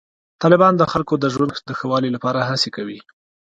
طالبان د خلکو د ژوند د ښه والي لپاره هڅې کوي.